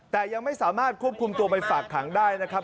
แต่ยังไม่สามารถควบคุมตัวไปฝากขังได้นะครับ